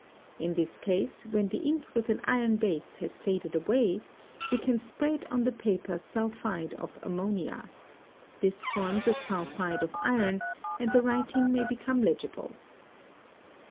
In this case, when the ink with an iron base has faded away, we can spread on the paper sulphide of ammonia. 'This forms a sulphide of iron, and the writing may become legible.